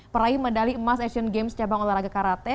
peraih medali emas asian games cabang olahraga karate